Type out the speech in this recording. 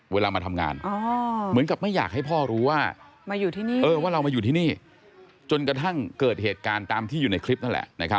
เวลามาทำงานเหมือนกับไม่อยากให้พ่อรู้ว่ามาอยู่ที่นี่ว่าเรามาอยู่ที่นี่จนกระทั่งเกิดเหตุการณ์ตามที่อยู่ในคลิปนั่นแหละ